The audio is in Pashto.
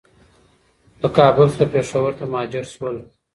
له کابل څخه پېښور ته مهاجر شول.